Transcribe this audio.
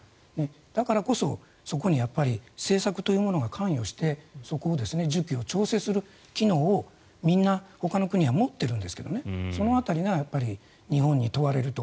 だからこそそこに政策というものが関与して需給を調整する機能をみんなほかの国は持ってるんですけどその辺りを日本に問われると。